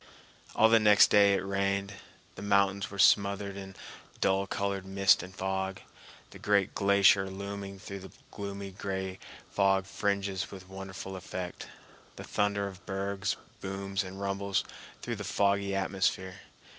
All the next day it rained. The mountains were smothered in dull colored mist and fog, the great glacier looming through the gloomy gray fog fringes with wonderful effect. The thunder of bergs booms and rumbles through the foggy atmosphere.